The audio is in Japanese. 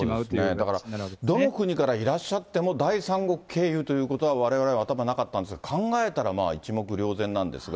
だから、どの国からいらっしゃっても、第三国経由ということはわれわれ頭になかったんですが、考えたらまあ、一目瞭然なんですが。